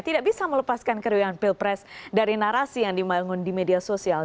tidak bisa melepaskan keruyangan pilpres dari narasi yang dibangun di media sosial